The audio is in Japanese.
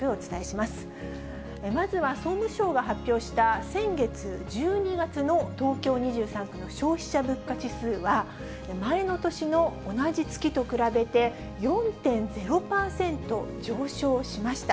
まずは総務省が発表した先月・１２月の東京２３区の消費者物価指数は、前の年の同じ月と比べて、４．０％上昇しました。